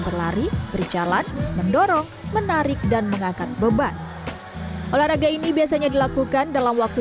berlari berjalan mendorong menarik dan mengangkat beban olahraga ini biasanya dilakukan dalam waktu